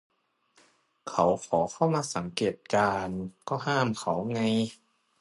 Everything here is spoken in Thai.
เขาขอเข้ามาสังเกตการณ์ ก็ห้ามเขาไง